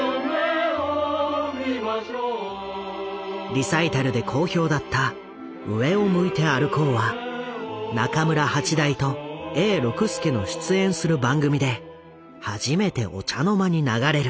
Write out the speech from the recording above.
リサイタルで好評だった「上を向いて歩こう」は中村八大と永六輔の出演する番組で初めてお茶の間に流れる。